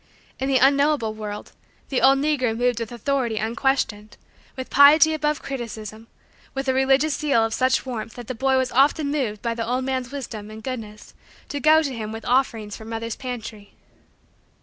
In the unknowable world, the old negro moved with authority unquestioned, with piety above criticism, with a religious zeal of such warmth that the boy was often moved by the old man's wisdom and goodness to go to him with offerings from mother's pantry.